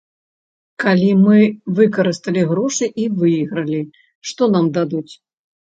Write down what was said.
Калі мы выкарысталі грошы і выйгралі, што нам дадуць?